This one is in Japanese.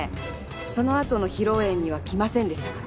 そのあとの披露宴には来ませんでしたから。